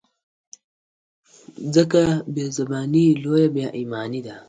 ځکه بې زباني لویه بې ایماني ده.